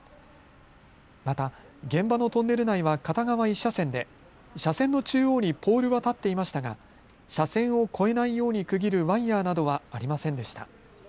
また現場のトンネル内は片側１車線で車線の中央にポールは立っていましたが車線を越えないように区切るワイヤーなどはありませんでした。